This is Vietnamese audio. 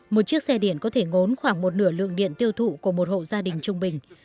một chiếc xe điện có thể ngốn khoảng một nửa lượng điện tiêu thụ của một hộ gia đình trung bình